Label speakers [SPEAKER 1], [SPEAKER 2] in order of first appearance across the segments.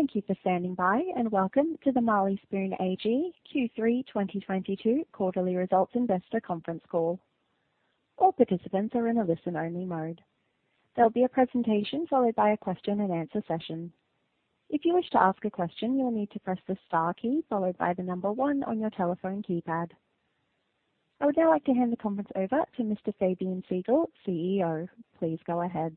[SPEAKER 1] Thank you for standing by, and welcome to the Marley Spoon AG Third Quarter 2022 Quarterly Results Investor Conference Call. All participants are in a listen-only mode. There'll be a presentation followed by a question-and-answer session. If you wish to ask a question, you will need to press the star key followed by the number one on your telephone keypad. I would now like to hand the conference over to Mr. Fabian Siegel, CEO. Please go ahead.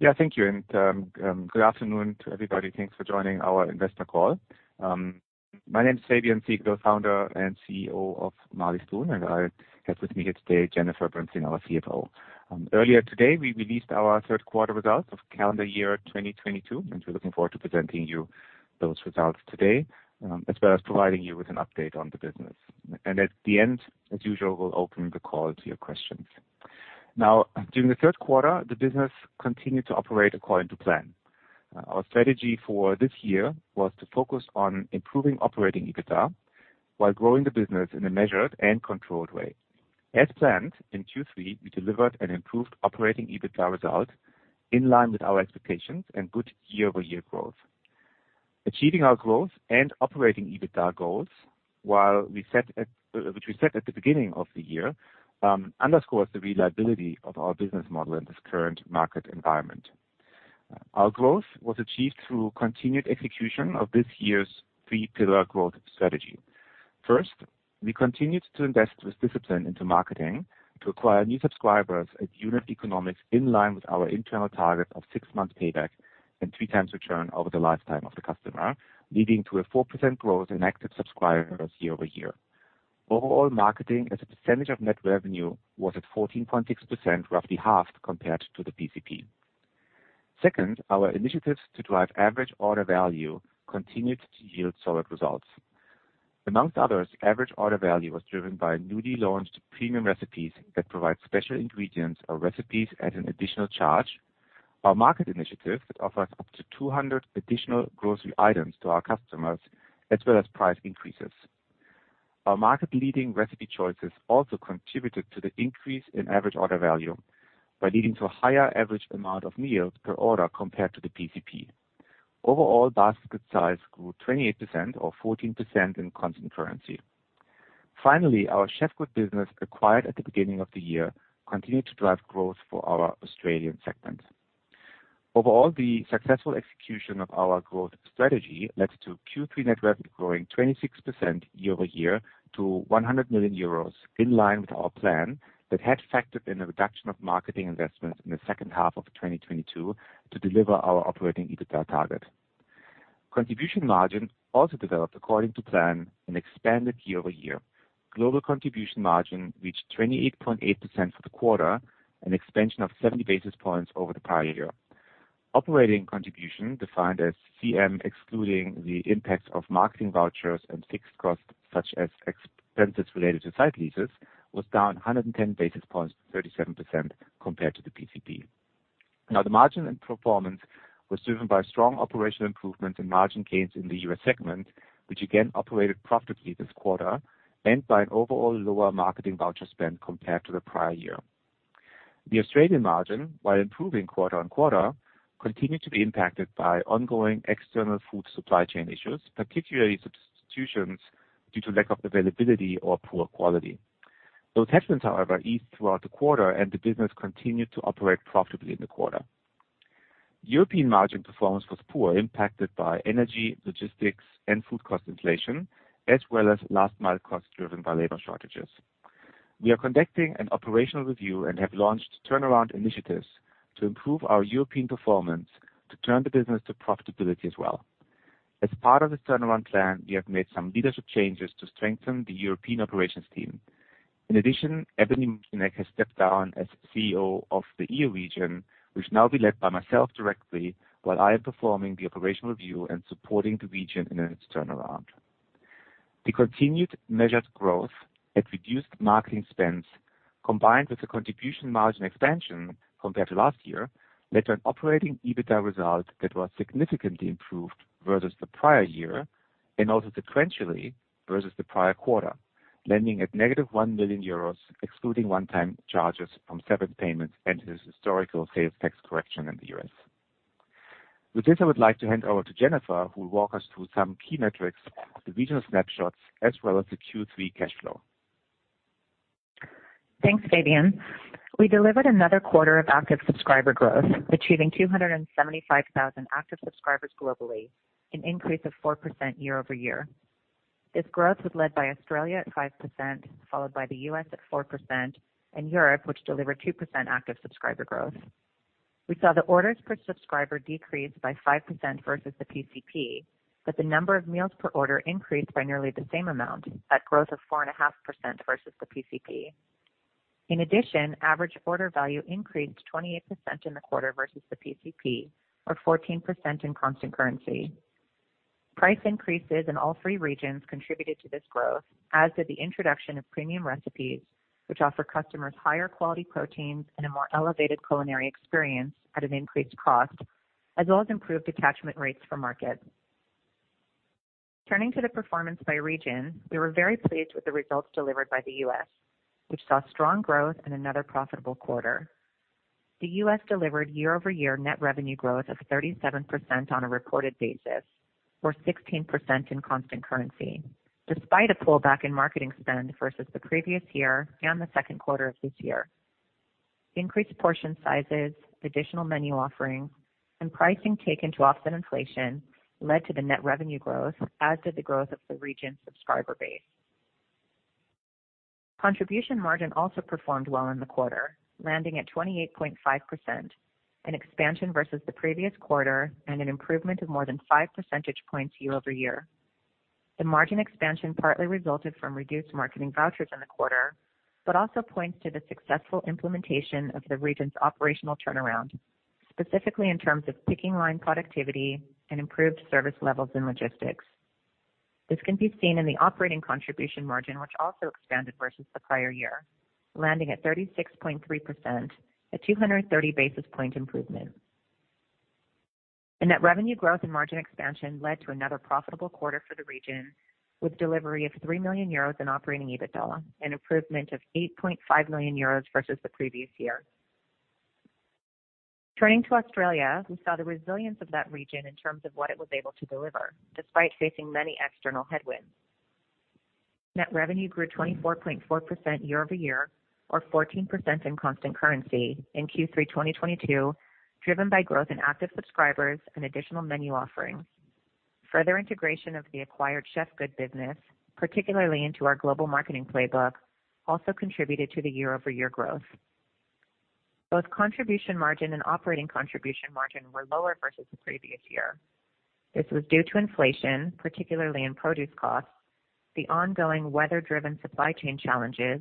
[SPEAKER 2] Yeah, thank you. Good afternoon to everybody. Thanks for joining our investor call. My name is Fabian Siegel, Founder and CEO of Marley Spoon, and I have with me here today, Jennifer Bernstein, our CFO. Earlier today, we released our third quarter results of calendar year 2022, and we're looking forward to presenting you those results today, as well as providing you with an update on the business. At the end, as usual, we'll open the call to your questions. Now, during the third quarter, the business continued to operate according to plan. Our strategy for this year was to focus on improving operating EBITDA while growing the business in a measured and controlled way. As planned, in third quarter, we delivered an improved operating EBITDA result in line with our expectations and good year-over-year growth. Achieving our growth and operating EBITDA goals, which we set at the beginning of the year, underscores the reliability of our business model in this current market environment. Our growth was achieved through continued execution of this year's three pillar growth strategy. First, we continued to invest with discipline into marketing to acquire new subscribers at unit economics in line with our internal target of six months payback and three times return over the lifetime of the customer, leading to a 4% growth in active subscribers year-over-year. Overall, marketing as a percentage of net revenue was at 14.6%, roughly half compared to the PCP. Second, our initiatives to drive average order value continued to yield solid results. Among others, average order value was driven by newly launched premium recipes that provide special ingredients or recipes at an additional charge. Our market initiative that offers up to 200 additional grocery items to our customers as well as price increases. Our market-leading recipe choices also contributed to the increase in average order value by leading to a higher average amount of meals per order compared to the PCP. Overall, basket size grew 28% or 14% in constant currency. Finally, our Chefgood business acquired at the beginning of the year continued to drive growth for our Australian segment. Overall, the successful execution of our growth strategy led to third quarter net revenue growing 26% year-over-year to 100 million euros in line with our plan that had factored in a reduction of marketing investments in the second half of 2022 to deliver our operating EBITDA target. Contribution margin also developed according to plan and expanded year-over-year. Global contribution margin reached 28.8% for the quarter, an expansion of 70-basis points over the prior year. Operating contribution, defined as CM, excluding the impacts of marketing vouchers and fixed costs such as expenses related to site leases, was down 110-basis points to 37% compared to the PCP. Now, the margin and performance was driven by strong operational improvements and margin gains in the US segment, which again operated profitably this quarter and by an overall lower marketing voucher spend compared to the prior year. The Australian margin, while improving quarter-over-quarter, continued to be impacted by ongoing external food supply chain issues, particularly substitutions due to lack of availability or poor quality. Those tensions, however, eased throughout the quarter and the business continued to operate profitably in the quarter. European margin performance was poor, impacted by energy, logistics and food cost inflation, as well as last mile costs driven by labor shortages. We are conducting an operational review and have launched turnaround initiatives to improve our European performance to turn the business to profitability as well. As part of this turnaround plan, we have made some leadership changes to strengthen the European operations team. In addition, Ebony Morczinek has stepped down as CEO of the EU region, which will now be led by myself directly while I am performing the operational review and supporting the region in its turnaround. The continued measured growth at reduced marketing spends, combined with the contribution margin expansion compared to last year, led to an operating EBITDA result that was significantly improved versus the prior year and also sequentially versus the prior quarter, landing at negative 1 million euros, excluding one-time charges from severance payments and this historical sales tax correction in the US. With this, I would like to hand over to Jennifer, who will walk us through some key metrics, the regional snapshots as well as the third quarter cash flow.
[SPEAKER 3] Thanks, Fabian. We delivered another quarter of active subscriber growth, achieving 275,000 active subscribers globally, an increase of 4% year-over-year. This growth was led by Australia at 5%, followed by the US at 4% and Europe, which delivered 2% active subscriber growth. We saw the orders per subscriber decrease by 5% versus the PCP, but the number of meals per order increased by nearly the same amount at growth of 4.5% versus the PCP. In addition, average order value increased 28% in the quarter versus the PCP or 14% in constant currency. Price increases in all three regions contributed to this growth, as did the introduction of premium recipes, which offer customers higher quality proteins and a more elevated culinary experience at an increased cost, as well as improved attachment rates for Market. Turning to the performance by region, we were very pleased with the results delivered by the US, which saw strong growth in another profitable quarter. The US delivered year-over-year net revenue growth of 37% on a reported basis, or 16% in constant currency, despite a pullback in marketing spend versus the previous year and the second quarter of this year. Increased portion sizes, additional menu offerings, and pricing taken to offset inflation led to the net revenue growth, as did the growth of the region subscriber base. Contribution margin also performed well in the quarter, landing at 28.5%, an expansion versus the previous quarter and an improvement of more than 5% points year-over-year. The margin expansion partly resulted from reduced marketing vouchers in the quarter but also points to the successful implementation of the region's operational turnaround, specifically in terms of picking line productivity and improved service levels in logistics. This can be seen in the operating contribution margin, which also expanded versus the prior year, landing at 36.3%, a 230-basis points improvement. The net revenue growth and margin expansion led to another profitable quarter for the region, with delivery of 3 million euros in operating EBITDA, an improvement of 8.5 million euros versus the previous year. Turning to Australia, we saw the resilience of that region in terms of what it was able to deliver despite facing many external headwinds. Net revenue grew 24.4% year-over-year or 14% in constant currency in third quarter 2022, driven by growth in active subscribers and additional menu offerings. Further integration of the acquired Chefgood business, particularly into our global marketing playbook, also contributed to the year-over-year growth. Both contribution margin and operating contribution margin were lower versus the previous year. This was due to inflation, particularly in produce costs, the ongoing weather-driven supply chain challenges,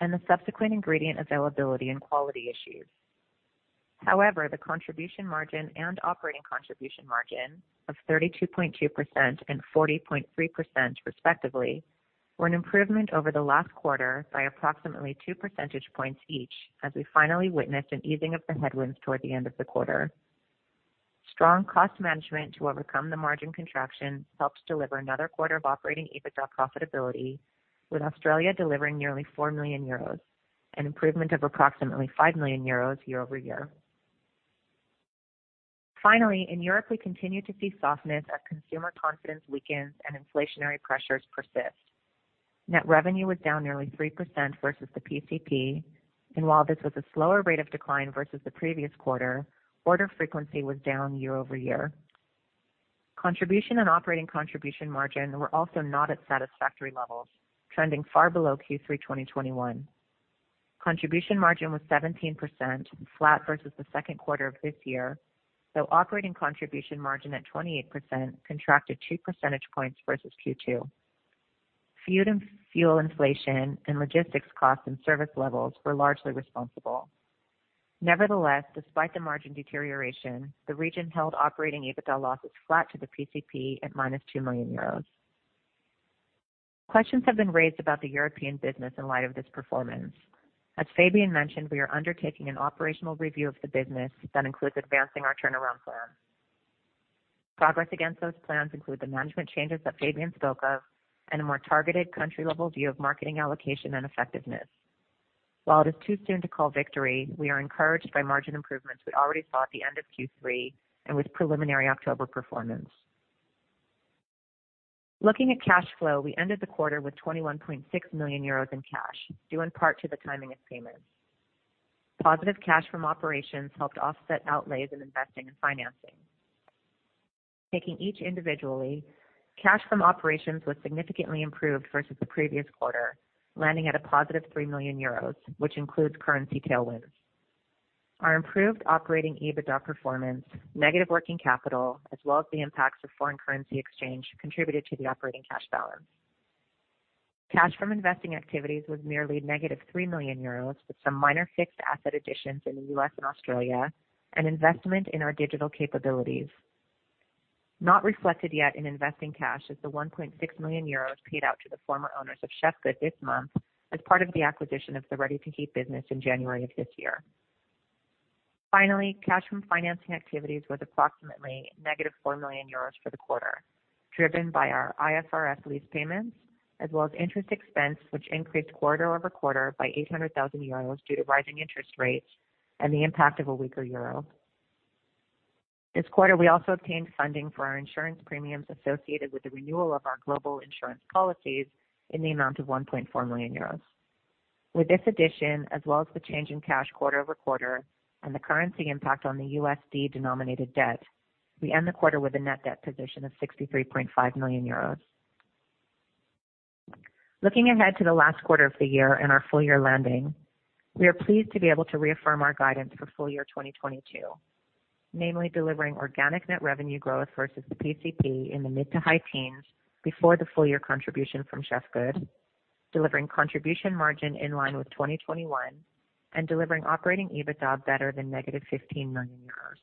[SPEAKER 3] and the subsequent ingredient availability and quality issues. However, the contribution margin and operating contribution margin of 32.2% and 40.3%, respectively, were an improvement over the last quarter by approximately 2% points each as we finally witnessed an easing of the headwinds toward the end of the quarter. Strong cost management to overcome the margin contraction helped deliver another quarter of operating EBITDA profitability, with Australia delivering nearly 4 million euros, an improvement of approximately 5 million euros year-over-year. Finally, in Europe, we continue to see softness as consumer confidence weakens and inflationary pressures persist. Net revenue was down nearly 3% versus the PCP, and while this was a slower rate of decline versus the previous quarter, order frequency was down year-over-year. Contribution and operating contribution margin were also not at satisfactory levels, trending far below third quarter 2021. Contribution margin was 17% flat versus the second quarter of this year, so operating contribution margin at 28% contracted 2% points versus second quarter. Food and fuel inflation and logistics costs and service levels were largely responsible. Nevertheless, despite the margin deterioration, the region held operating EBITDA losses flat to the PCP at negative 2 million euros. Questions have been raised about the European business in light of this performance. As Fabian mentioned, we are undertaking an operational review of the business that includes advancing our turnaround plan. Progress against those plans include the management changes that Fabian spoke of and a more targeted country level view of marketing allocation and effectiveness. While it is too soon to call victory, we are encouraged by margin improvements we already saw at the end of third quarter and with preliminary October performance. Looking at cash flow, we ended the quarter with 21.6 million euros in cash, due in part to the timing of payments. Positive cash from operations helped offset outlays in investing and financing. Taking each individually, cash from operations was significantly improved versus the previous quarter, landing at a positive 3 million euros, which includes currency tailwinds. Our improved operating EBITDA performance, negative working capital, as well as the impacts of foreign currency exchange, contributed to the operating cash balance. Cash from investing activities was nearly negative 3 million euros, with some minor fixed asset additions in the US and Australia and investment in our digital capabilities. Not reflected yet in investing cash is the 1.6 million euros paid out to the former owners of Chefgood this month as part of the acquisition of the ready-to-eat business in January of this year. Finally, cash from financing activities was approximately negative 4 million euros for the quarter, driven by our IFRS lease payments as well as interest expense, which increased quarter-over-quarter by 800 thousand euros due to rising interest rates and the impact of a weaker euro. This quarter, we also obtained funding for our insurance premiums associated with the renewal of our global insurance policies in the amount of 1.4 million euros. With this addition, as well as the change in cash quarter-over-quarter and the currency impact on the USD-denominated debt, we end the quarter with a net debt position of 63.5 million euros. Looking ahead to the last quarter of the year and our full year landing, we are pleased to be able to reaffirm our guidance for full year 2022, namely delivering organic net revenue growth versus the PCP in the mid-to-high-teens before the full year contribution from Chefgood, delivering contribution margin in line with 2021, and delivering operating EBITDA better than negative 15 million euros.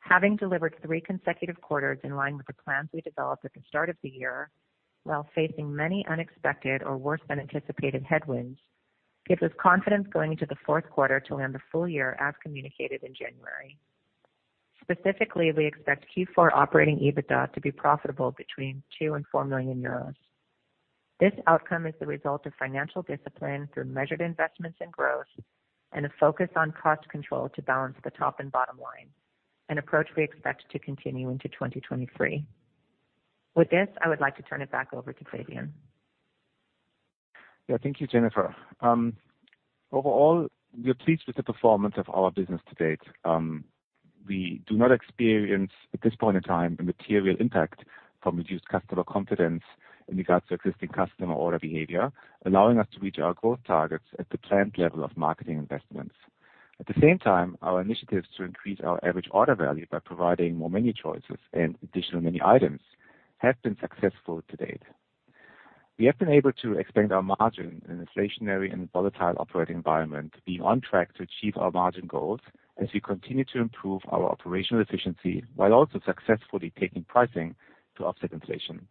[SPEAKER 3] Having delivered three consecutive quarters in line with the plans we developed at the start of the year while facing many unexpected or worse than anticipated headwinds. Gives us confidence going into the fourth quarter to land the full year as communicated in January. Specifically, we expect fourth quarter operating EBITDA to be profitable between 2 million and 4 million euros. This outcome is the result of financial discipline through measured investments in growth and a focus on cost control to balance the top and bottom line, an approach we expect to continue into 2023. With this, I would like to turn it back over to Fabian.
[SPEAKER 2] Yeah, thank you, Jennifer. Overall, we are pleased with the performance of our business to date. We do not experience at this point in time a material impact from reduced customer confidence in regards to existing customer order behavior, allowing us to reach our growth targets at the planned level of marketing investments. At the same time, our initiatives to increase our average order value by providing more menu choices and additional menu items have been successful to date. We have been able to expand our margin in a stationary and volatile operating environment, being on track to achieve our margin goals as we continue to improve our operational efficiency while also successfully taking pricing to offset inflation.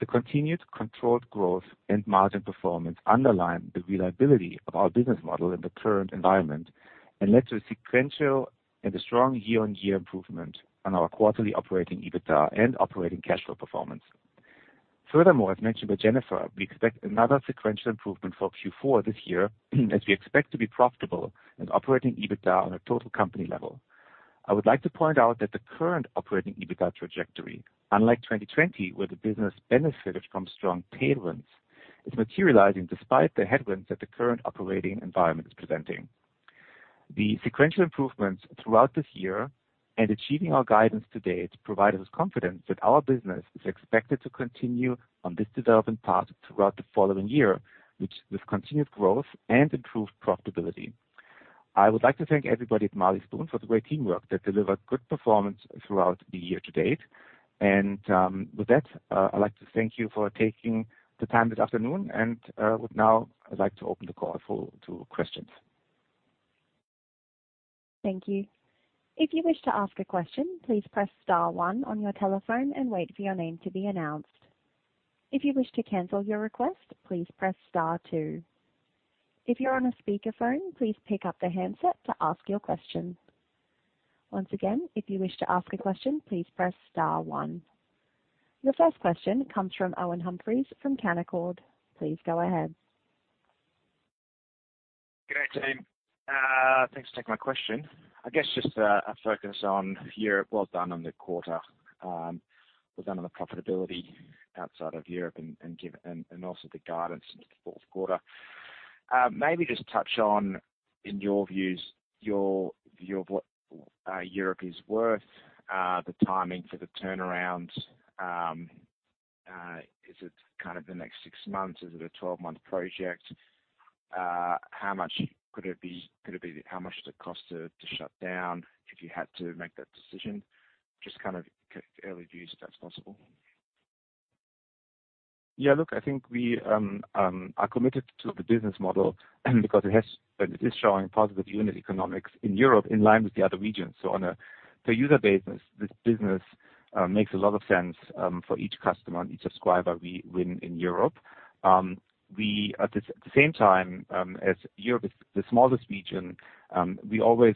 [SPEAKER 2] The continued controlled growth and margin performance underline the reliability of our business model in the current environment and led to a sequential and a strong year-on-year improvement on our quarterly operating EBITDA and operating cash flow performance. Furthermore, as mentioned by Jennifer, we expect another sequential improvement for fourth quarter this year as we expect to be profitable in operating EBITDA on a total company level. I would like to point out that the current operating EBITDA trajectory, unlike 2020, where the business benefited from strong tailwinds, is materializing despite the headwinds that the current operating environment is presenting. The sequential improvements throughout this year and achieving our guidance to date provide us confidence that our business is expected to continue on this development path throughout the following year, which with continued growth and improved profitability. I would like to thank everybody at Marley Spoon for the great teamwork that delivered good performance throughout the year to date. With that, I'd like to thank you for taking the time this afternoon, and now I'd like to open the call to questions.
[SPEAKER 1] Thank you. If you wish to ask a question, please press star one on your telephone and wait for your name to be announced. If you wish to cancel your request, please press star two. If you're on a speakerphone, please pick up the handset to ask your question. Once again, if you wish to ask a question, please press star one. Your first question comes from Owen Humphries from Canaccord. Please go ahead.
[SPEAKER 4] Good day, team. Thanks for taking my question. I guess just a focus on Europe. Well done on the quarter, well done on the profitability outside of Europe and also the guidance into the fourth quarter. Maybe just touch on, in your views, your view of what Europe is worth, the timing for the turnaround. Is it kind of the next six months? Is it a 12-month project? How much could it be? How much does it cost to shut down if you had to make that decision? Just kind of early views, if that's possible.
[SPEAKER 2] Yeah, look, I think we are committed to the business model because it has and it is showing positive unit economics in Europe in line with the other regions. On a per user basis, this business makes a lot of sense for each customer and each subscriber we win in Europe. At the same time, as Europe is the smallest region, we always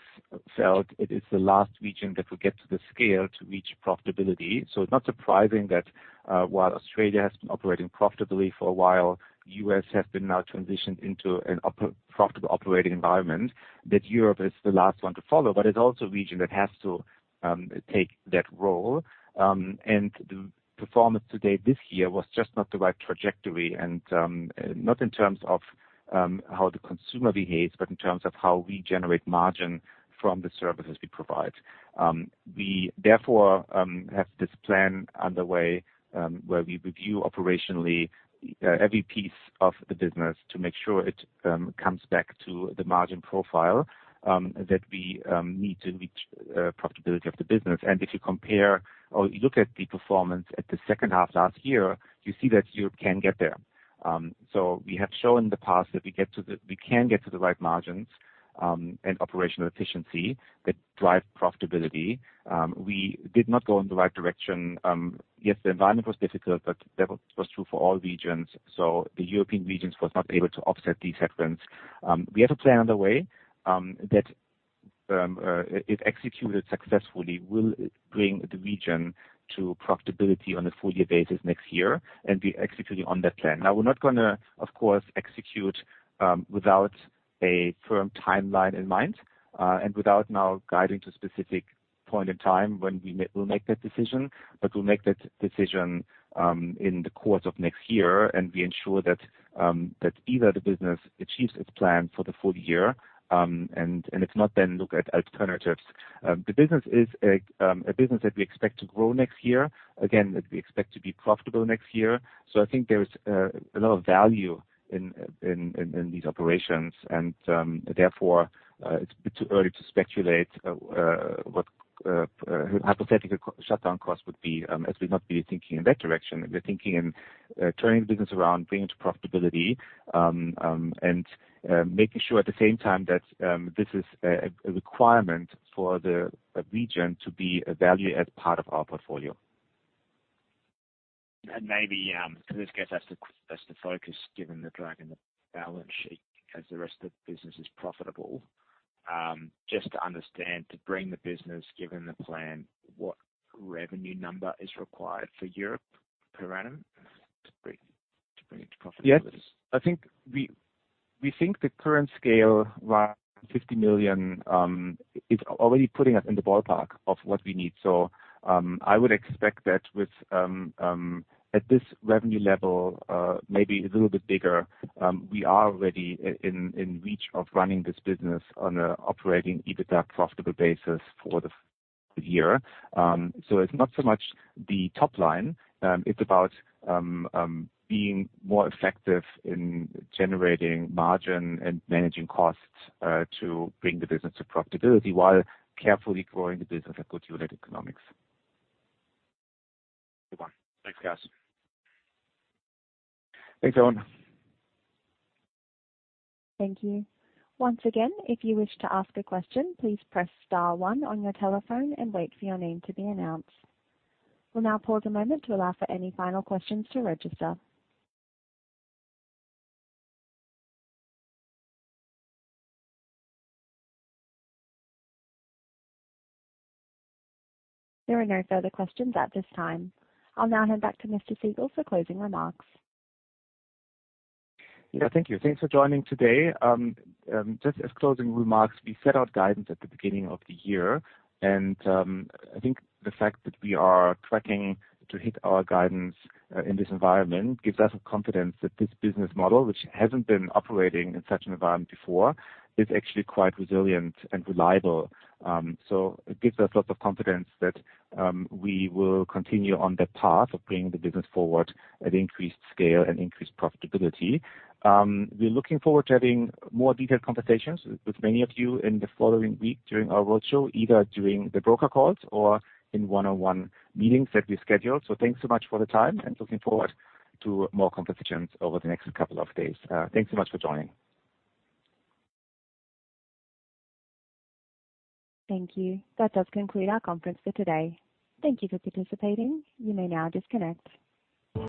[SPEAKER 2] felt it is the last region that will get to the scale to reach profitability. It's not surprising that while Australia has been operating profitably for a while, US has been now transitioned into an operating profitable operating environment, that Europe is the last one to follow, but it's also a region that has to take that role. The performance to date this year was just not the right trajectory and, not in terms of how the consumer behaves, but in terms of how we generate margin from the services we provide. We therefore have this plan underway, where we review operationally every piece of the business to make sure it comes back to the margin profile that we need to reach profitability of the business. If you compare or you look at the performance at the second half last year, you see that you can get there. We have shown in the past that we can get to the right margins and operational efficiency that drive profitability. We did not go in the right direction. Yes, the environment was difficult, but that was true for all regions, so the European regions was not able to offset these headwinds. We have a plan underway, that if executed successfully, will bring the region to profitability on a full year basis next year, and we're executing on that plan. Now, we're not gonna, of course, execute without a firm timeline in mind, and without now guiding to a specific point in time when we'll make that decision. We'll make that decision in the course of next year, and we ensure that either the business achieves its plan for the full year, and if not, then look at alternatives. The business is a business that we expect to grow next year, again, that we expect to be profitable next year. I think there is a lot of value in these operations, and therefore, it's a bit too early to speculate what hypothetical shutdown costs would be, as we've not been thinking in that direction. We're thinking in turning the business around, bringing it to profitability, and making sure at the same time that this is a requirement for the region to be a value-add part of our portfolio.
[SPEAKER 4] Maybe this gets us to focus given the drag in the balance sheet as the rest of the business is profitable. Just to understand, to bring the business given the plan, what revenue number is required for Europe per annum to bring it to profitability?
[SPEAKER 2] Yes. I think we think the current scale, around 50 million, is already putting us in the ballpark of what we need. I would expect that with at this revenue level, maybe a little bit bigger, we are already in reach of running this business on a operating EBITDA profitable basis for the fiscal year. It's not so much the top line. It's about being more effective in generating margin and managing costs to bring the business to profitability while carefully growing the business at good unit economics.
[SPEAKER 4] Good one. Thanks, guys.
[SPEAKER 2] Thanks, Owen.
[SPEAKER 1] Thank you. Once again, if you wish to ask a question, please press star one on your telephone and wait for your name to be announced. We'll now pause a moment to allow for any final questions to register. There are no further questions at this time. I'll now hand back to Mr. Siegel for closing remarks.
[SPEAKER 2] Yeah, thank you. Thanks for joining today. Just as closing remarks, we set out guidance at the beginning of the year, and I think the fact that we are tracking to hit our guidance in this environment gives us confidence that this business model, which hasn't been operating in such an environment before, is actually quite resilient and reliable. It gives us lots of confidence that we will continue on that path of bringing the business forward at increased scale and increased profitability. We're looking forward to having more detailed conversations with many of you in the following week during our roadshow, either during the broker calls or in one-on-one meetings that we scheduled. Thanks so much for the time and looking forward to more conversations over the next couple of days. Thanks so much for joining.
[SPEAKER 1] Thank you. That does conclude our conference for today. Thank you for participating. You may now disconnect.